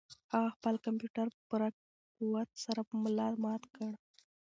هغه خپل کمپیوټر په پوره قوت سره په ملا مات کړ.